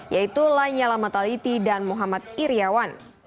yaitu lanyala mataliti dan muhammad iryawan